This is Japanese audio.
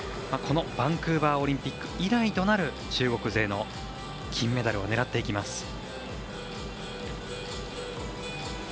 このバンクーバーオリンピック以来となる中国勢の金メダルを狙っていきます。